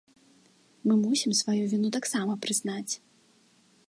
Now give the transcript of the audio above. Мы мусім сваю віну таксама прызнаць.